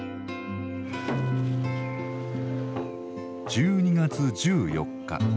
１２月１４日。